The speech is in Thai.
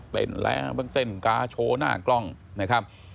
บ้างเต้นกาโชว์หน้ากล้องนะครับ